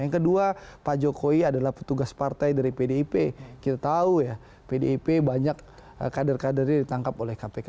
yang kedua pak jokowi adalah petugas partai dari pdip kita tahu ya pdip banyak kader kadernya ditangkap oleh kpk